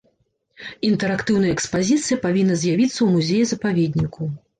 Інтэрактыўная экспазіцыя павінна з'явіцца ў музеі-запаведніку.